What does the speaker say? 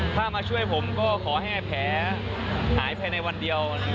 ถ้ามาช่วยผมก็ขอให้แผลหายภายในวันเดียว